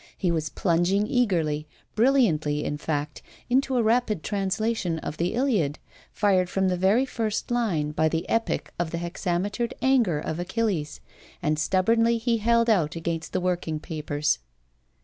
He was plunging eagerly — ^brilliantly, in fact — ^into a rapid translation of the Iliad, fired from the very first line by the epic of the hexametered anger of Achilles, and stubbornly he held out against the working papers.